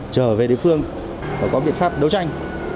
trở về địa phương và có biện pháp đấu tranh